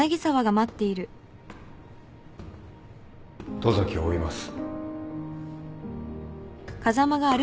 十崎を追います。